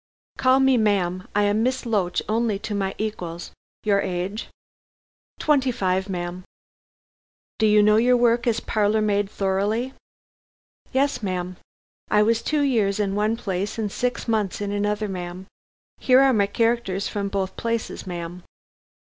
"Call me ma'am. I am Miss Loach only to my equals. Your age?" "Twenty five, ma'am." "Do you know your work as parlor maid thoroughly?" "Yes, ma'am. I was two years in one place and six months in another, ma'am. Here are my characters from both places, ma'am."